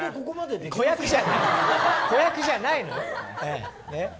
子役じゃないのよ。